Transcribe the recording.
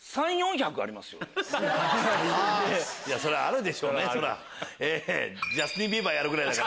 そりゃあるでしょうね。